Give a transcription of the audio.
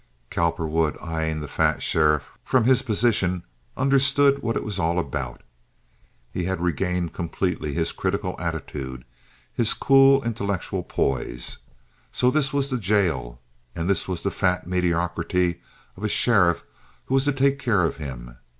Cowperwood, eyeing the fat sheriff from his position, understood what it was all about. He had regained completely his critical attitude, his cool, intellectual poise. So this was the jail, and this was the fat mediocrity of a sheriff who was to take care of him.